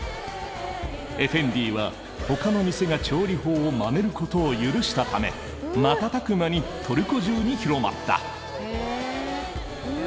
エフェンディはほかの店が調理法をまねることを許したため瞬く間にトルコ中に広まった。